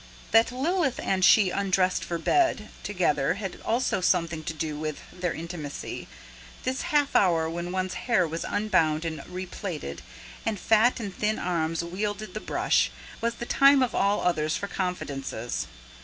That Lilith and she undressed for bed together had also something to do with their intimacy: this half hour when one's hair was unbound and replaited, and fat and thin arms wielded the brush, was the time of all others for confidences.